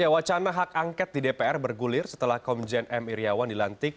wacana hak angket di dpr bergulir setelah komjen paul m iryawan menunjukkan hak angket tersebut